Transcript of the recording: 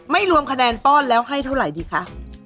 รวมคะแนนป้อนแล้วให้เท่าไหร่ดีคะ